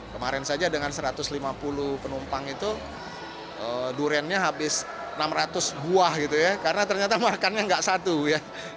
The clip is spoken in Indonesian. kemarin saja dengan satu ratus lima puluh penumpang itu duriannya habis enam ratus buah gitu ya karena ternyata makannya nggak satu ya